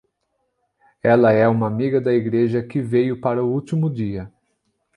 Ela é uma amiga da igreja que veio para o último dia.